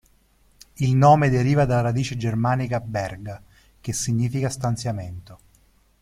Il nome deriva dalla radice germanica "berga", che significa stanziamento.